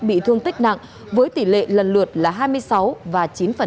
bị thương tích nặng với tỷ lệ lần lượt là hai mươi sáu và chín